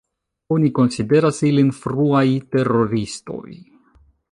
Oni konsideras ilin fruaj teroristoj.